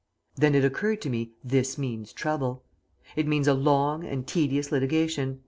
Then it occurred to me 'this means trouble.' It means a long and tedious litigation.